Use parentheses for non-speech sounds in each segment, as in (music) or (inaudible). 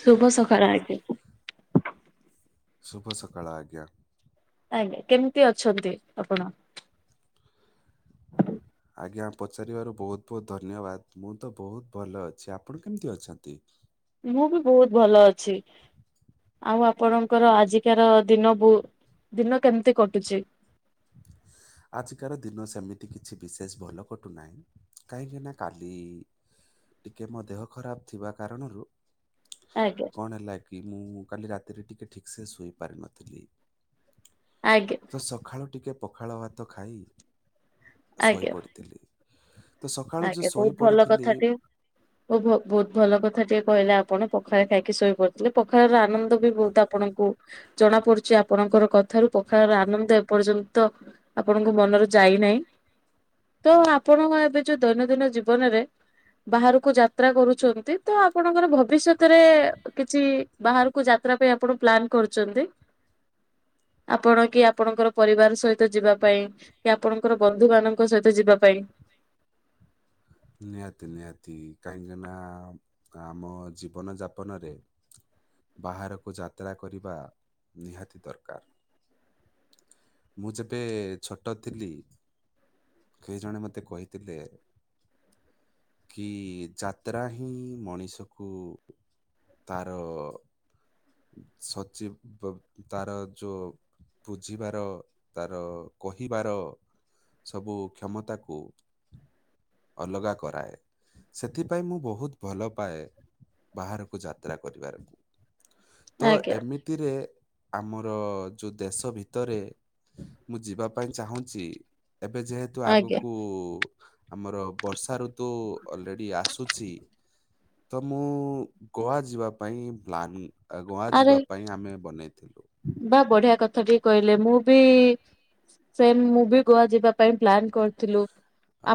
ଶୁଭ ସକାଳ ଆଜ୍ଞା। ଶୁଭ ସକାଳ ଆଜ୍ଞା। ଆଜ୍ଞା। କେମିତି ଅଛନ୍ତି ଆପଣ? (inaudible) ଆଜ୍ଞା ପଚାରିବାରୁ ବହୁତ୍ ବହୁତ୍ ଧନ୍ୟବାଦ। ମୁଁ ତ ବହୁତ ଭଲ ଅଛି। ଆପଣ କେମିତି ଅଛନ୍ତି? ମୁଁ ବି ବହୁତ ଭଲ ଅଛି। ଆଉ ଆପଣଙ୍କର ଆଜିକାର ଦିନ ବୋ ଦିନ କେମିତି କଟୁଚି? ହ ଆଜିକାର ଦିନ ସେମିତି କିଛି ବିଶେଷ ଭଲ କଟୁନାହିଁ। କାହିଁକି ନା କାଲି ଟିକେ ମୋ ଦେହ ଖରାପ ଥିବା କାରଣରୁ ଆଜ୍ଞା। କଣ ହେଲା କି ମୁଁ କାଲି ରାତିରେ ଟିକେ ଠିକ୍ ସେ ଶୋଇପାରିନଥିଲି। ଆଜ୍ଞା। ତ ସଖାଳୁ ଟିକେ ପଖାଳ ଭାତ ଖାଇ ଆଜ୍ଞା ଶୋଇପଡ଼ିଥିଲି। ତ ସକାଳୁ ଯୋଉ ଶୋଇ ପଡ଼ିଥିଲି ଭୋ ଭୋ ବହୁତ ଭଲ କଥା ଟିଏ କହିଲେ ଆପଣ। ପଖାଳ ଖାଇକି ଶୋଇପଡିଥିଲେ। ପଖାଳ ର ଆନନ୍ଦ ବି ବହୁତ ଆପ- ଆପଣଙ୍କୁ ଜଣା ପଡୁଚି ଆପଣଙ୍କର କଥାରୁ, ପଖାଳ ର ଆନନ୍ଦ ଏପର୍ଯ୍ୟନ୍ତ ଆପଣଙ୍କ ମନରୁ ଯାଇନାହିଁ। ତ ଆପଣ ଏବେ ନିଜ ଦୈନନ୍ଦିନ ଜୀବନରେ ବାହାରକୁ ଯାତ୍ରା କରୁଛନ୍ତି ତ ଆପଣଙ୍କର ଭବିଷ୍ୟତରେ କିଛି ବାହାରକୁ ଯାତ୍ରା ପାଇଁ ଆପଣ ପ୍ଲାନ କରୁଚନ୍ତି ଆପଣ କି ଆପଣଙ୍କର ପରିବାର ସହିତ ଯିବା ପାଇଁ। କି ଆପଣଙ୍କର ବନ୍ଧୁ ମାନଙ୍କ ସହିତ ଯିବା ପାଇଁ। ନିହାତି ନିହାତି। କାହିଁକିନା ଆମ ଜୀବନ ଯାପନରେ ବାହାରକୁ ଯାତ୍ରା କରିବା ନିହାତି ଦରକାର। ମୁଁ ଯେବେ ଛୋଟ ଥିଲି କେହି ଜଣେ ମତେ କହିଥିଲେ କି ଯାତ୍ରା ହିଁ ମଣିଷକୁ ତାର ସଚ୍ଚି ବ ତାର ଯୋଉ ବୁଝିବାର ତାର କହିବାର ସବୁ କ୍ଷମତାକୁ ଅଲଗା କରାଏ ସେଥିପାଇଁ ମୁଁ ବୋହୁତ ଭଲ ପାଏ ବାହାରକୁ ଯାତ୍ରା କରିବାର ତ ଆଜ୍ଞା ଏମିତିରେ ଆମର ଯୋଉ ଦେଶ ଭିତରେ ମୁଁ ଯିବା ପାଇଁ ଚାହୁଁଚି ଏବେ ଯେହେ ତୁ ଆଜ୍ଞା ଆଗୁକୁ ଆମର ବର୍ଷା ଋ ତୁ ଅଲରେଡି ଆସୁଛି ତ ମୁଁ ଗୋଆ ଯିବା ପାଇଁ ପ୍ଲାନ୍ ଉଁ ଆ ଗୋଆ ଆରେ ଯିବା ପାଇଁ ଆମେ ବନେଇଥିଲୁ। ବା ବଢିଆ କଥାଟିଏ କହିଲେ ମୁଁ ବି ସେମ୍ ମୁଁ ବି ଗୋଆ ଯିବା ପାଇଁ ପ୍ଲାନ୍ କରିଥିଲୁ।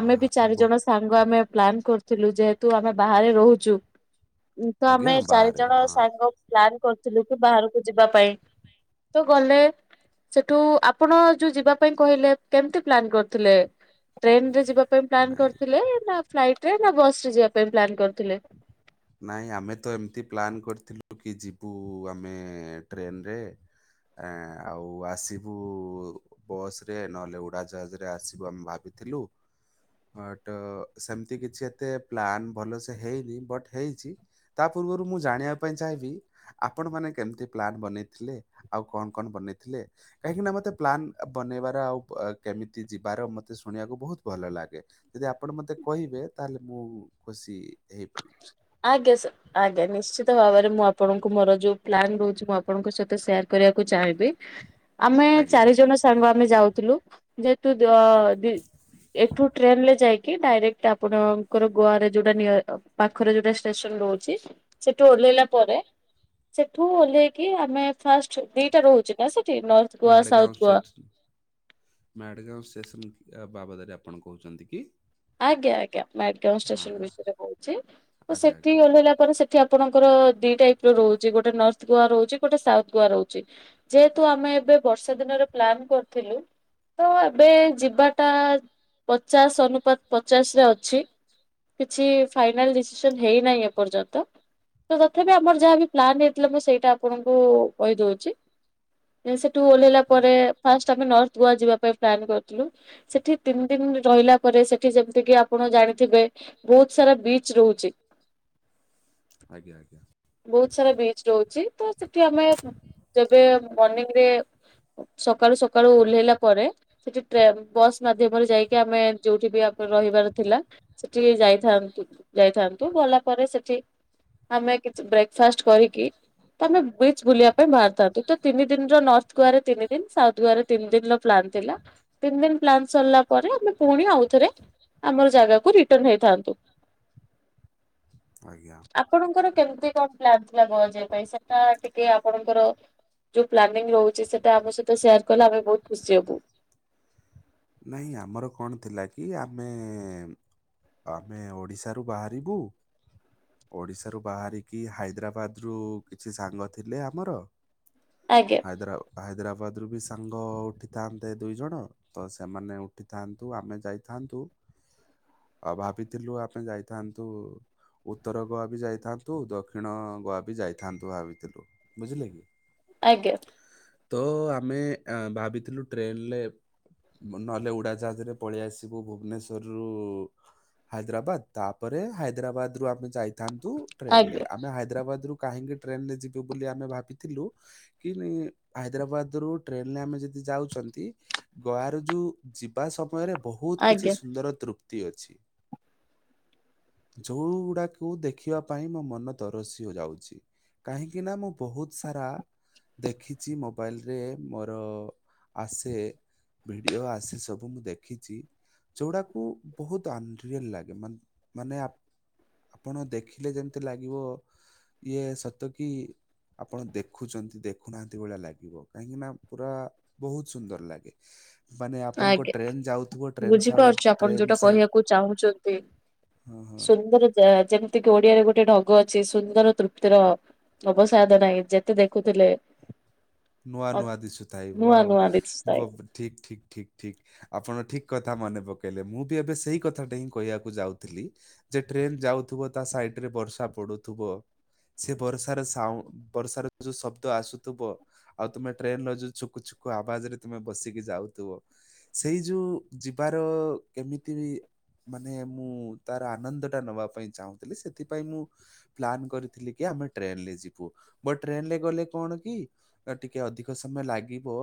ଆମେ ବି ଚାରି ବ ଜଣ ସାଙ୍ଗ ଆମେ ପ୍ଲାନ୍ କରିଥିଲୁ ଯେହେତୁ ଆମେ ବାହାରେ ରହୁଛୁ ଉଁ ତ ଆଜ୍ଞା ଆମେ ଚାରି ବାହାରେ ଜଣ ହଁ ସାଙ୍ଗ ପ୍ଲାନ୍ କରିଥିଲୁ କି ବାହାରକୁ ଯିବା ପାଇଁ‌। ତ ଗଲେ ସେଠୁ ଆପଣ ଯୋଉ ଯିବା ପାଇଁ କହିଲେ କେମତି ପ୍ଲାନ୍ କରିଥିଲେ। ଟ୍ରେନରେ ଯିବା ପାଇଁ ପ୍ଲାନ୍ ନାଇଁ କରିଥିଲେ ନା ଫ୍ଲାଇଟରେ ନା ବସରେ ଯିବା ପାଇଁ ପ୍ଲାନ୍ କରିଥିଲେ। ନାଇଁ ଆମେ ତ ଏମତି ପ୍ଲାନ୍ କରିଥିଲୁ କି ଯିବୁ ଆମେ ଟ୍ରେନରେ। ଆଁ ଆଉ ଆସିବୁ ବସରେ ନହେଲେ ଉଡାଜାହାଜେରେ ଆସିବୁ ଆମେ ଭାବିଥିଲୁ। ହଁ ଟ ସେମତି କିଛି ଏତେ ପ୍ଲାନ୍ ଭଲ ସେ ହେଇନି ବଟ୍ ହେଇଛି ତା ପୂର୍ବରୁ ମୁଁ ଜାଣିବା ପାଇଁ ଚାହିଁବି ଆପଣ ମାନେ କେମତି ପ୍ଲାନ୍ ବନେଇଥିଲେ ଆଉ କନ କନ ବନେଇଥିଲେ‌। କାହିଁକି ନା ମତେ ପ୍ଲାନ୍ ଆ ବନେଇବାରେ ଆଉ ପ୍ ଆ କେମିତି ଯିବାର ମତେ ଶୁଣିବାକୁ ବୋହୁତ ଭଲ ଲାଗେ। ଯଦି ଆପଣ ମତେ କହିବେ ତାହେଲେ ମୁଁ ଖୁସି ହେ ଆଜ୍ଞା ସାର୍ ଆଜ୍ଞା ନିଶ୍ଚିତ ଭାବରେ ମୁଁ ଆପଣଙ୍କୁ ମୋର ଯୋଉ ପ୍ଲାନ୍ ରହୁଛି ମୁଁ ଆପଣଙ୍କୁ ସେ ତ ସେୟାର କରିବାକୁ ଚାହିଁବି ଆମେ ଆଜ୍ଞା। ଚାରି ଜଣ ସାଙ୍ଗ ଆମେ ଯାଉଥିଲୁ ଯେହେତୁ ଯଦି ଏଠୁ ଟ୍ରେନଲେ ଯାଇକି ଡାଇରେକ୍ଟ ଆପଣଙ୍କର ଗୋଆରେ ଯୋଉଟା ନିଆଏ ଅ ପାଖରେ ଯୋଉଟା ଷ୍ଟେସନ ରହୁଛି ସେଠୁ ଓହ୍ଲେଇଲା ପରେ ସେଠୁ ଓହ୍ଲେଇକି ଆମେ ଫାଷ୍ଟ ଦିଟା ରହୁଛି ନା ସେଠି ଲ ମାଡେ ଗାଁଓ ସେଥି ମାଡଗାଁଓ ଷ୍ଟେସନ୍ ଆ ବାବଦରେ ଆପଣ କହୁଛନ୍ତି କି? ଆଜ୍ଞା ଆଜ୍ଞା ମଡଗାଁଓ ହଁ ଷ୍ଟେସନ ହଁ ବିଷୟେରେ କହୁଛି ତ ଆଜ୍ଞା ସେଠି ଆଜ୍ଞା ଓହ୍ଲେଇଲା ପରେ ସେ ଠି ଆପଣଙ୍କର ଦି ଟାଇପର ରହୁଚି ଗୋଟେ ନର୍ ଥ୍ ଗୋଆ ରହୁଛି ଗୋଟେ ସାଉଥ୍ ଗୋଆ ରହୁଛି ଯେହେତୁ ଆମେ ଏବେ ବର୍ଷା ଦିନରେ ପ୍ଲାନ୍ କରିଥିଲୁ ତ ଏବେ ଯିବାଟା ପଚାଶ ଅନୁପାତ୍ ପଚାଶରେ ଅଛି କିଛି ଫାଇନାଲ ଡିସିସନ୍ ହେଇନାହିଁ ଏପର୍ଯ୍ୟନ୍ତ। ତ ତଥାପି ଆମର ଯାହା ବିି ପ୍ଲାନ୍ ହେଇଥିଲା ମୁଁ ସେଇଟା ଆପଣଙ୍କୁ କହିଦଉଛି। ଏଁ ସେଟୁ ଓହ୍ଲେଇଲା ହଁ। ପରେ ଫାଷ୍ଟ୍ ଆମେ ନର୍ ଥ୍ ଗୋଆ ଯିବା ପାଇଁ ପ୍ଲାନ୍ କରିଥିଲୁ ସେଠି ତିନ ଦିନ ରହିଲା ପରେ ସେ ଏଠି ଯେମିତିକି ଆପଣ ଜାଣିଥିବେ ବୋହୁତ ସାରା ବିଚ୍ ରହୁଚି। ଆଜ୍ଞା ଆଜ୍ଞା। ବୋହୁତ ସାରା ବିଚ୍ ରହୁଚି ତ ସେଠି ଆମେ ଯେବେ ମର୍ଣିିଂରେ ସକାଳୁ ସକାଳୁ ଓହ୍ଲେଇଲା ପରେ ସେଠି ଟ୍ରେନ୍ ବସ୍ ମାଧ୍ୟମରେ ଯାଇକି ଆମେ ଯୋଉଠି ବି ଆକର ରହିବାର ଥିଲା ସେଠିକି ଯାଇଥାନ୍ତୁ ଯାଇଥାନ୍ତୁ ଗଲା ପରେ ସେଠି ଆମେ କେ (unintelligible) ବ୍ରେକ୍ ଫାଷ୍ଟ କରିକି ତ ଆମେ ବିଚ୍ ବୁଲିଆ ପାଇଁ ବାହାରିଥାନ୍ତୁ ତ ତିନି ଦିନ୍ ର ନର୍ଥ ଗୋଆରେ ତିନି ଦିନ୍ ସାଉଥ ଗୋଆରେ ତିନ୍ ଦିନ୍ ର ପ୍ଲାନ୍ ଥିଲା ତିନ୍ ଦିନ୍ ପ୍ଲାନ ସରିଲା ପରେ ଆମେ ପୁଣି ଆଉଥରେ ଆମର ଜାଗାକୁ ରିଟନ୍ ହେଇଥାନ୍ତୁ। ଆଜ୍ଞା। ଆପଣଙ୍କର କେମ୍ତି କଣ ପ୍ଲାନ୍ ଥିଲା ଗୋଆ ଯିଆ ପାଇଁ ସେତା ଟିକେ ଆପଣଙ୍କର ଯୋଉ ପ୍ଲାନିଙ୍ଗ ରହୁଛି ସେଇଟା ଆମ ସହିତ ସେୟାର୍ କଲେ ଆମେ ବହୁତ୍ ଖୁସି ହବୁ। ନାହିଁ ଆମର କଣ ଥିଲା କି ଆମେ ଆମେ ଓଡ଼ିଶାରୁ ବାହାରିବୁ। ଓଡିଶାରୁ ବାହାରିକି ହାଇଦ୍ରାବାଦରୁ କିଛି ସାଙ୍ଗ ଥିଲେ ଆମର ଆଜ୍ଞା। ଇଦର୍ ଆଓ ହାଇଦ୍ରାବାଦରୁ ବି ସାଙ୍ଗ ଉଠିଥାନ୍ତେ ଦୁଇ ଜଣ ତ ସେମାନେ ଉଠିଥାନ୍ତୁ ଆମେ ଯାଇଥାନ୍ତୁ ଆଉ ଭାବିଥିଲୁ ଆପେ ଯାଇଥାନ୍ତୁ ଉତ୍ତର ଗୋଆ ବି ଯାଇଥାନ୍ତୁ ଦକ୍ଷିଣ ଗୋଆ ବି ଯାଇଥାନ୍ତୁ ଭାବିଥିଲୁ। ବୁଝିଲେ କି? ଆଜ୍ଞା। ତ ଆମେ ଏଁ ଭାବିଥିଲୁ ଟ୍ରେନ୍ ଲେ ନହେଲେ ଉଡାଜାହାଜରେ ପଳେଇ ଆସିବୁ ଭୁବନେଶ୍ଵରରୁ ହାଇଦ୍ରାବାଦ ତାପରେ ହାଇଦ୍ରାବାଦରୁ ଆମେ ଯାଇଥାନ୍ତୁ ଟ୍ରେନଲେ ଆଜ୍ଞା ଆମେ ହାଇଦ୍ରାବାଦରୁ କାହିଁକି ଟ୍ରେନରେ ଯିବୁ ବୋଲି ଆମେ ଭାବିଥିଲୁ କି ନାଇ ହାଇଦ୍ରାବାଦରୁ ଟ୍ରେନରେ ଆମେ ଯଦି ଯାଉଛନ୍ତି ଗୋଆରୁ ଜୁ ଯିବା ସମୟରେ ବହୁତ୍ କିଛି ଆଜ୍ଞା ସୁନ୍ଦର ତୃପ୍ତି ଅଛି। ଯୋଉ ଗୁଡ଼ାକୁ ଦେଖିବା ପାଇଁ ମୋ ମନ ତରସି ଯାଉଛି। କାହିଁକିନା ମୁଁ ବହୁତ୍ ସାରା ଦେଖିଛି ମୋବାଇଲ୍ ରେ ମୋର ଆସେ ଭିଡିଓ ଆସେ ସବୁ ମୁଁ ଦେଖିଛି। ଯୋଉଡ଼ାକୁ ବହୁତ୍ ଅନ୍ ରିଅଲ୍ ଲାଗେ ମାନ୍ ମାନେ ଆପଣ ଦେଖିଲେ ଯେମିତି ଲାଗିବ ଇଏ ସତ କିି ଆପଣ ଦେଖୁଛନ୍ତି ଦେଖୁନାହାନ୍ତି ଭଳିଆ ଲାଗିବ କାହିଁକି ନା ପୁରା ବହୁତ୍ ସୁନ୍ଦର୍ ଲାଗେ। ମାନେ ଆପଣଙ୍କ ଆଜ୍ଞା ଟ୍ରେନ୍ ଯାଉଥିବ ଟ୍ରେନ୍ ସାଉଣ୍ଡ ବୁଝିପାରଛି ଆପଣ ଟ୍ରେନ୍ ଯୋଟା ସାଇଡ୍ କହିଆକୁ ଚାହୁଁଛନ୍ତି। ହଁ ହଁ ସୁନ୍ଦର ଯାଆ ଯେମ୍ତି କି ଓଡିଆରେ ଗୋଟେ ଢଗ ଅଛି ସୁନ୍ଦର ତୃପ୍ତିର ଅବସାଦ ନାହିଁ ଯେତେ ଦେଖୁଥିଲେ ନୂଆ ନୂଆ ଦିଶୁଥାଇ ନୂଆ ୱା ନୂଆ ଦିଶୁଥାଏ ୱା (unintelligible) ଠିକ୍ ଠିକ୍ ଠିକ୍ ଠିକ୍। ଆପଣ ଠିକ୍ କଥା ମନେ ପକେଇଲେ ମୁଁ ବି ଏବେ ସେଇ କଥାଟା ହିଁ କହିଆକୁ ଯାଉଥିଲି। ଯେ ଟ୍ରେନ ଯାଉଥିବ ତା ସାଇଡରେ ବର୍ଷା ପଡୁଥିବ ସେ ବରସାର ସାଉଁ ବରସାର ଯୋ ଶବ୍ଦ ଆସୁଥୁବ ଆଉ ତୁମେ ଟ୍ରେନର ଯୋଉ ଛୁକୁ ଛୁକୁ ଆବାଜରେ ତୁମେ ବସିକି ଯାଉଥୁବ ସେଇ ଯୋଉ ଯିବାର କେମିତି ବି ମାନେ ମୁଁ ତାର ଆନନ୍ଦଟା ନବା ପାଇଁ ଚାହୁଁଥିଲି ସେଥିପାଇଁ ମୁଁ ପ୍ଲାନ୍ କରିଥିଲି କି ଆମେ ଟ୍ରେଲ୍ ରେ ଯିବୁ ବ ଟ୍ରେନ୍ ରେ ଗଲେ କଣ କି ତାର ଟିକେ ଅଧିକ ସମୟ ଲାଗିବ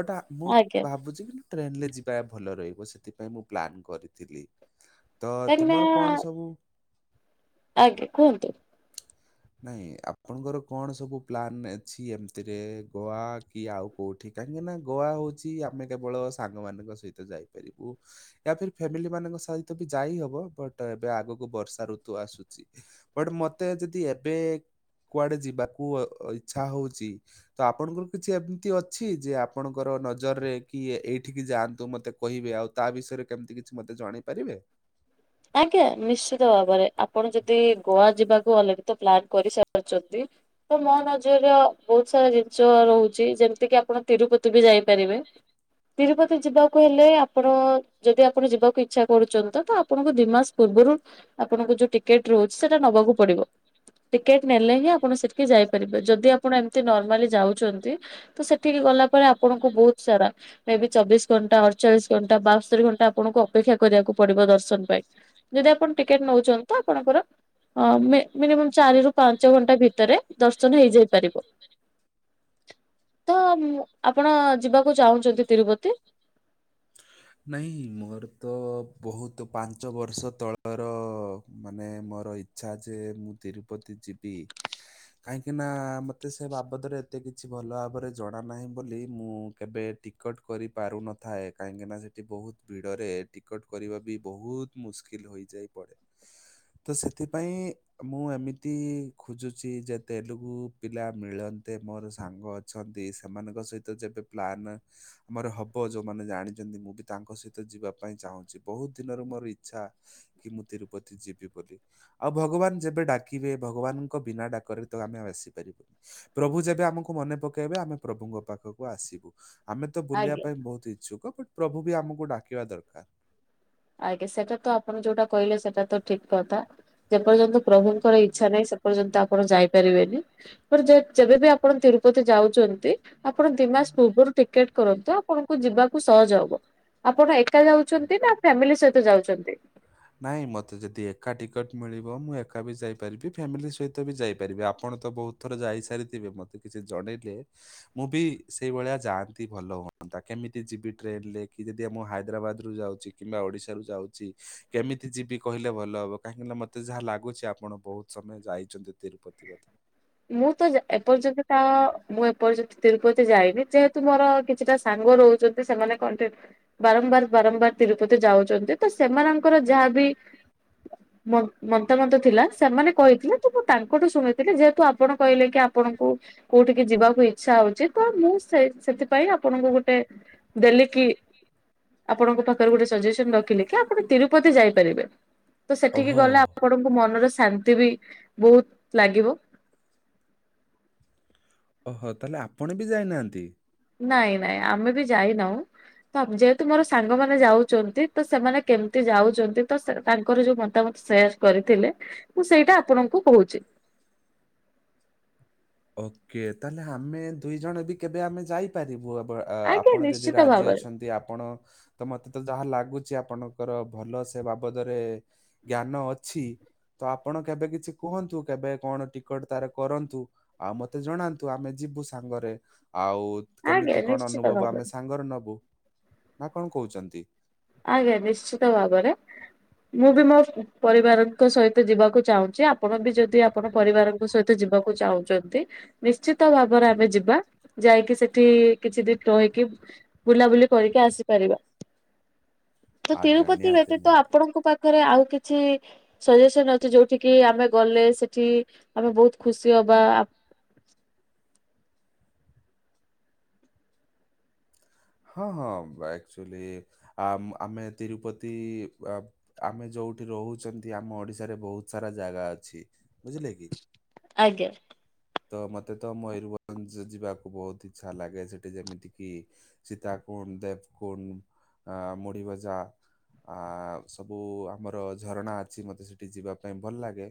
ବଟ୍ ମୁଁ ଆଜ୍ଞା ଭାବୁଛି କି ନା ଟ୍ରେନ୍ ରେ ଯିବା ଭଲ ରହିବ ସେଥିପାଇଁ ମୁଁ ପ୍ଲାନ୍ କରିଥିଲି। ତ ତାନା ତୁମର କଣ ସବୁ ଆଜ୍ଞା କୁହନ୍ତୁ। ନାହିଁ ଆପଣଙ୍କର କଣ ସବୁ ପ୍ଲାନ୍ ଅଛି ଏମିତିରେ ଗୋଆ କି ଆଉ କୋଉଠି କାହିଁକି ନା ଗୋଆ ହଉଛି ଆମେ କେବଳ ସାଙ୍ଗମାନଙ୍କ ସହିତ ଯାଇପାରିବୁ। ୟା ଫିର୍ ଫ୍ୟାମିଲି ମାନଙ୍କ ସହିତ ବି ଯାଇ ହବ ବଟ୍ ଏବେ ଆଗକୁ ବର୍ଷା ଋତୁ ଆସୁଚି। ବଟ୍ ମତେ ଯଦି ଏବେ କୁଆଡେ ଯିବାକୁ ଇଚ୍ଛା ହଉଛି ତ ଆପଣଙ୍କର କିଛି ଏମିତି ଅଛି ଯେ ଆପଣଙ୍କର ନଜରରେ କି ଏଇଠିକି ଯାଆନ୍ତୁ? ମୋତେ କହିବେ ଆଉ ତା ବିଷୟରେ କେମିତି କିଛି ମୋତେ ଜଣେଇ ପାରିବେ? ଆଜ୍ଞା ନିଶ୍ଚିତ ଭାବରେ ଆପଣ ଯଦି ଗୋଆ ଯିବାକୁ ଅଲରେଡି ତ ପ୍ଲାନ୍ କରିସାରିଛନ୍ତି। ତ ମୋ ନଜର ବହୁତ ସାରା ଜିନିଷ ରହୁଛି, ଯେମିତି କିି ଆପଣ ତିରୁପତି ବି ଯାଇପାରିବେ। ତିରୁପତି ଯିବାକୁ ହେଲେ ଆପଣ ଯଦି ଆପଣ ଯିବାକୁ ଇଚ୍ଛା କରୁଛନ୍ତି ତ ଆପଣଙ୍କୁ ଦି ମାସ ପୂର୍ବରୁ ଆପଣଙ୍କୁ ଯୋଉ ଟିକେଟ୍ ରହୁଛି ସେଟା ନବାକୁ ପଡିବ। ଟିକେଟ୍ ନେଲେ ହିଁ ଆପଣ ସେଠିକି ଯାଇପାରିବେ। ଯଦି ଆପଣ ଏମତି ନର୍ମାଲି ଯାଉଛନ୍ତି ତ ସେଠିକି ଗଲା ପରେ ଆପଣଙ୍କୁ ବହୁତ ସାରା ମେ ବି ଚବିଶ ଘଣ୍ଟା, ଅଡଚାଳିଶ ଘଣ୍ଟା, ବାସ୍ତରି ଘଣ୍ଟା, ଆପଣଙ୍କୁ ଅପେକ୍ଷା କରିବାକୁ ପଡିବ ଦର୍ଶନ ପାଇଁ ଯଦି ଆପଣ ଟିକେଟ୍ ନେଉଛନ୍ତି ତ ଆପଣଙ୍କର ଅ, ମେ- ମିନିମମ୍ ଚାରି ରୁ ପାଞ୍ଚ ଘଣ୍ଟା ଭିତରେ ଦର୍ଶନ ହେଇଯାଇ ପାରିବ। ତ ମୁଁ ଆପଣ ଯିବାକୁ ଚାହୁଁଛନ୍ତି ତିରୁପତି? ନାଇଁ ମୋର ତ ବହୁତ ପାଞ୍ଚ ବର୍ଷ ତଳର ମାନେ ମୋର ଇ ଚ୍ଛା ଯେ ମୁଁ ତିରୁପତି ଯିବି। କାହିଁକି ନା ମୋତେ ସେ ବାବଦରେ ଏତେ କିଛି ଭଲ ଭାବରେ ଜଣା ନାହିଁ ବୋଲି। ମୁଁ କେବେ ଟି କଟ୍ କରିପାରୁ ନଥାଏ। କାହିଁକିନା ସେ ତି ବହୁତ ଭିଡରେ ଟିକଟ୍ କରିବା ବି ବହୁତ ମୁସ୍କିଲ୍ ହୋଇଯାଇ ପଡେ। ତ ସେଥିପାଇଁ ମୁଁ ଏମିତି ଖୋଜୁଛି ଯେ ତେଲୁଗୁ ପିଲା ମିଳନ୍ତେ ମୋର ସାଙ୍ଗ ଛନ୍ତି ସେମାନଙ୍କ ସହିତ ଯେବେ ପ୍ଲାନ୍ ଆମର ହବ ଯୋଉମାନେ ଜାଣିଚନ୍ତି। ମୁଁ ବି ତାଙ୍କ ସହିତ ଯିବା ପାଇଁ ଚାହୁଁଚି। ବହୁତ ଦିନରୁ ମୋର ଇଚ୍ଛା କି ମୁଁ ତିରୁପତି ଯିବି ବୋଲି। ଆଉ ଭଗବାନ ଯେବେ ଡାକିବେ ଭଗବାନଙ୍କ ବିନା ଡାକରେ ତ ଆମେ ଆଉ ଆସିପାରିବୁନି। ପ୍ରଭୁ ଯେବେ ଆମକୁ ମନେ ପକେଇବେ, ଆମେ ପ୍ରଭୁଙ୍କ ପାଖକୁ ଆସିବୁ। ଆମେ ତ ବୁଲିବା ପାଇଁ ବହୁତ ଇଚ୍ଛୁକ, ବଟ୍ ପ୍ରଭୁ ବି ଆମକୁ ଡାକିବା ଦରକାର। ଆଜ୍ଞା, ସେଟା ତ ଆପଣ ଯୋଉଟା କହିଲେ ସେଟା ତ ଠିକ କଥା। ଯେପର୍ଯ୍ୟନ୍ତ ପ୍ରଭୁଙ୍କର ଇଚ୍ଛା ନାହିଁ ସେପର୍ଯ୍ୟନ୍ତ ଆପଣ ଯାଇପାରିବେନି। ପରେ ଯେ ଯେବେବି ଆପଣ ତିରୁପତି ଯାଉଚନ୍ତି, ଆପଣ ଦି ମାସ ପୂର୍ବରୁ ଟିକେଟ୍ କରନ୍ତୁ ଆପଣଙ୍କୁ ଯିବାକୁ ସହଜ ହବ। ଆପଣ ଏକା ଯାଉଛନ୍ତି ନା ଫ୍ୟାମିଲି ସହିତ ଯାଉଛନ୍ତି? ନାଇଁ ମୋତେ ଯଦି ଏକା ଟିକଟ୍ ମିଳିବ ମୁଁ ଏକା ବି ଯାଇପାରିବି। ଫ୍ୟାମିଲି ସହିତ ବି ଯାଇପାରିବି। ଆପଣ ତ ବହୁ ଥର ଯାଇସାରିଥିବେ ମୋତେ କିଛି ଜଣେଇଲେ ମୁଁ ବି ସେଇଭଳିଆ ଯାଆନ୍ତି ଭଲ ହୁଅନ୍ତା, କେମିତି ଯିବି ଟ୍ରେନ୍ ରେ କି ଯଦି ଏ ମୁଁ ହାଇଦ୍ରାବାଦ ରୁ ଯାଉଛି କିମ୍ବା ଓଡିଶ ରୁ ଯାଉଛି କେମିତି ଯିବି କହିଲେ ଭଲ ହବ? କାହିଁକି ନା ମୋତେ ଯାହା ଲାଗୁଛି ଆପଣ ବହୁତ ସମୟ ଯାଇଛନ୍ତି ତିରୁପତି ବୋଧେ। ମୁଁ ତ ଯା- ଏପର୍ଯ୍ୟନ୍ତ ତ ମୁଁ ଏପର୍ଯ୍ୟନ୍ତ ତିରୁପତି ଯାଇନି। ଯେହେତୁ ମୋର କିଛିଟା ସାଙ୍ଗ ରହୁଛନ୍ତି ସେମାନେ କଣ କି ବାରମ୍ବାର ବାରମ୍ବାର ତିରୁ ପତି ଯାଉଚନ୍ତି ତ ସେମାନଙ୍କର ଯାହାବି ମ-ମତାମନ୍ତ ଥିଲା ସେମାନେ କହିଥିଲେ ତ ମୁଁ ତାଙ୍କଠୁ ଶୁଣିଥିଲି। ଯେହେତୁ ଆ ଆପଣ କହିଲେ କି ଆପଣଙ୍କୁ କୋଉଠିକି ଯିବାକୁ ଇଚ୍ଛା ହଉଛି, ତ ମୁଁ ସେ ସେଥିପାଇଁ ଆପଣଙ୍କୁ ଗୋଟେ ଦେଲି କି ଆପଣଙ୍କ ପାଖରେ ଗୋଟେ ସଜେସନ୍ ରଖିଲି କି ଆପଣ ତିରୁପତି ଯାଇପାରିବେ। ତ ସେଠିକି ଓହୋ ଗଲେ ଆପଣଙ୍କୁ ମନରେ ଶାନ୍ତି ବି ବହୁତ ଲାଗିବ। ଓହୋ, ତାହେଲେ ଆପଣ ବି ଯାଇନାହାନ୍ତି? ନାଇଁ ନାଇଁ ଆମେ ବି ଯାଇ ନାହୁଁ। ତ ଯେହେତୁ ମୋର ସାଙ୍ଗମାନେ ଯାଉଚନ୍ତି ତ ସେମାନେ କେମିତି ଯାଉଚନ୍ତି ତ ସେ ତାଙ୍କର ଯୋଉ ମତାମତ ସେୟାର୍ କରିଥିଲେ, ମୁଁ ସେଇଟା ଆପଣଙ୍କୁ କହୁଛି। ଓକେ, ତାହେଲେ ହଁ ଆମେ ଦୁଇ ଜଣ ବି କେବେ ଆମେ ଯାଇ ପାରିବୁ, ଅବ୍ର ଆ, ଆଜ୍ଞା ଆପଣ ଯଦି ନିଶ୍ଚିତ ରାଜି ଭାବରେ ଅଛନ୍ତି ଆପଣ ତ ମୋତେ ତ ଯାହା ଲାଗୁଛି ଆପଣଙ୍କର ଭଲ ସେ ବାବଦରେ ଜ୍ଞାନ ଅଛି ତ ଆପଣ କେବେ କିଛି କୁହନ୍ତୁ କେବେ କଣ ଟିକେଟ ତାର କରନ୍ତୁ। ଆଉ ମତେ ଜଣାନ୍ତୁ ଆମେ ଯିବୁ ସାଙ୍ଗରେ ଆଉ ଆଜ୍ଞା କେମିତି କଣ ନିଶ୍ଚିତ ଅନୁଭବ ଭାବରେ ଆମେ ସାଙ୍ଗରେ ନବୁ ନା କଣ କହୁଚନ୍ତି। ଆଜ୍ଞା ନିଶ୍ଚିତ ଭାବରେ। ମୁଁ ବି ମୋ ପରିବାରଙ୍କ ସହିତ ଯିବାକୁ ଚାହୁଁଛି ଆପଣ ବି ଯଦି ଆପଣ ପରିବାର ସହିତ ଯିବାକୁ ଚାହୁଁଚନ୍ତି ନିଶ୍ଚିତ ଭାବରେ ଆମେ ଯିବା ଯାଇକି ସେଠି କିଛି ଦିନି ରହିକି ବୁଲାବୁଲି କରିକି ଆସିପାରିବା। ତ ଆଜ୍ଞା ତିରୁପତି ନିହାତି ବ୍ୟତୀତ ନିହାତି ଆପଣଙ୍କ ପାଖରେ ଆଉ କିଛି ସଜେସନ ଅଛି ଯୋଉଠି କିି ଆମେ ଗଲେ ସେଠି ଆମେ ବହୁତ ଖୁସି ହବା। ହଁ ହଁ ଆକ୍ଚୁଆଲି ଆ ଆମେ ତିରୁପତି ଆମେ ଯୋଉଠି ରହୁଚନ୍ତି ଆମ ଓଡିଶାରେ ବହୁତ ସାରା ଜାଗା ଅଛି ବୁଝିଲେ କି ଆଜ୍ଞା। ତ ମତେ ତ ମୟରଭଞ୍ଜ ଯିବାକୁ ବହୁତ ଇଚ୍ଛା ଲାଗେ ସେଠି ଯେମିତି କିି ସୀତା କୁଣ୍ଡ, ଦେବ କୁଣ୍ଡ, ଆ ମୁଡ଼ିଭଜା ଆ ସବୁ ଆମର ଝରଣା ଅଛି ମୋତେ ସେଇଠି ଯିବା ପାଇଁ ଭଲ ଲାଗେ।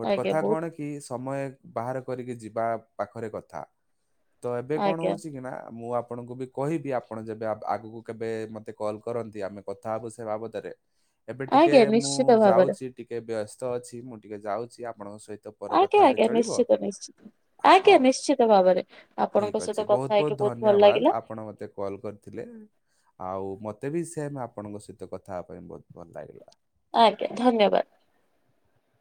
ବଟ ଆଜ୍ଞା କଥା ବହୁତ କଣ କି ସମୟ ବାହାର କରିକି ଯିବା ପାଖରେ କଥା ତ ଏବେ କଣ ଆଜ୍ଞା ହଉଛି କି ନା ମୁଁ ଆପଣଙ୍କୁ ବି କହିବି ଆପଣ ଯେବେ ଆଗକୁ କେବେ ମତେ କଲ୍ କରନ୍ତି ଆମେ କଥା ହବୁ ସେ ବାବଦରେ ଏବେ ଟିକେ ଆଜ୍ଞା ମୁଁ ନିଶ୍ଚିତ ଭାବରେ ଯାଉଛି ଟିକେ ବ୍ୟସ୍ତ ଅଛି ମୁଁ ଟିକେ ଯାଉଛି ଆପଣଙ୍କ ସହିତ ପରେ କଥା ହେଲେ ଚଳିବ। ଆ (unintelligible) ହଉ ଆପଣଙ୍କ ଠିକ୍ ସହିତ ଅଛି କଥା ବହୁତ ହେଇକି ବହୁତ ଭଲ ଲାଗିଲା। ଧନ୍ୟବାଦ ଆପଣ ମତେ କଲ୍ କରିଥିଲେ ଆଉ ମତେ ବି ସେମ୍ ଆପଣଙ୍କ ସହିତ କଥା ହେବା ପାଇଁ ବହୁତ ଭଲ ଲାଗିଲା। ଆଜ୍ଞା ଧନ୍ୟବାଦ।